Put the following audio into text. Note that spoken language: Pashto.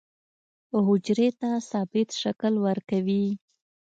حجرې ته ثابت شکل ورکوي.